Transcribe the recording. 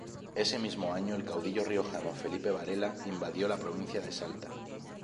Ese mismo año el caudillo riojano Felipe Varela invadió la provincia de Salta.